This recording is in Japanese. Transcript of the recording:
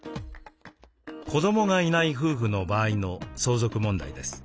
「子どもがいない夫婦の場合」の相続問題です。